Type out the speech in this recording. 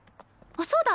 そうだ。